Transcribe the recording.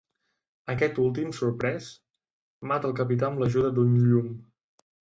Aquest últim, sorprès, mata el capità amb l'ajuda d'un llum.